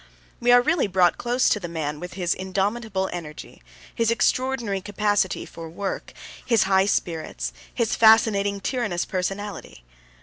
We are really brought close to the man with his indomitable energy, his extraordinary capacity for work, his high spirits, his fascinating, tyrannous personality.